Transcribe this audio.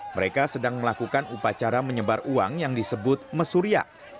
mereka sedang melakukan upacara menyebar uang yang disebut mesuriak